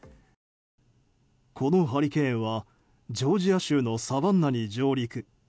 このハリケーンはジョージア州のサバンナに上陸。